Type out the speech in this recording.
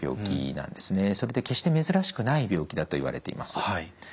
それで決して珍しくない病気だといわれています。